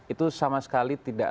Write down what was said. itu sama sekali tidak